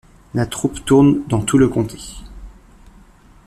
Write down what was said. La troupe tourne dans tout le comté.